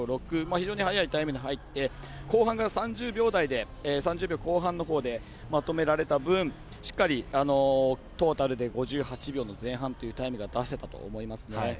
非常に速いタイムで入って後半が３０秒後半でまとめられた分しっかりトータルで５８秒の前半というタイムが出せたと思いますね。